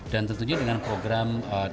dan tertentu dengan kondisi perusahaan